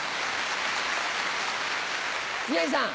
宮治さん。